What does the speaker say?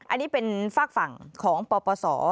อันนี้เป็นฝากฝั่งของปปศ